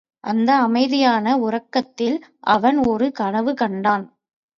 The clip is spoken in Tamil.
அந்த அமைதியான உறக்கத்தில் அவன் ஒரு கனவு கண்டான்.